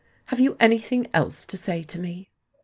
Have you any thing else to say to me?"